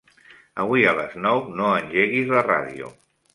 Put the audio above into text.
Avui a les nou no engeguis la ràdio.